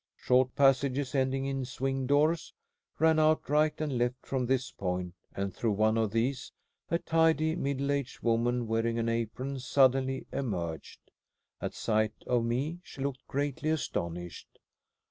Short passages ending in swing doors ran out right and left from this point, and through one of these a tidy, middle aged woman wearing an apron suddenly emerged. At sight of me she looked greatly astonished.